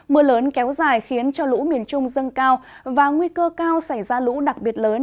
mưa lớn kéo dài khiến cho lũ miền trung dâng cao và nguy cơ cao xảy ra lũ đặc biệt lớn